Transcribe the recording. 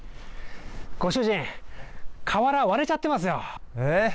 ご主人、瓦、割れちゃってますよ。